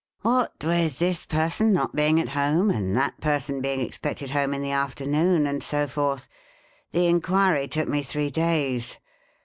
" What with this person not being at home, and that person being expected home in the afternoon, and so forth, the inquiry took me three days.